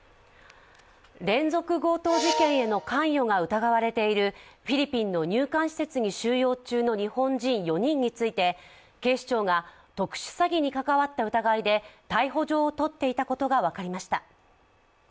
連続強盗事件への関与が疑われているフィリピンの入管施設に収容中の日本人４人について警視庁が特殊詐欺に関わった疑いで逮捕状を取っていたことが分かりました。